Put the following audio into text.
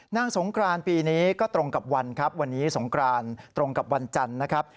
นางสงกรานปีนี้ก็ตรงกับวันครับวันนี้สงกรานตรงกับวันจันทร์นะครับ